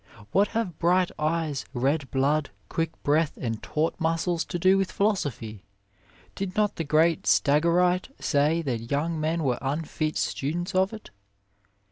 What have bright eyes, red blood, quick breath and taut muscles to do with philosophy? Did not the great Stagirite say that young men were unfit students of it?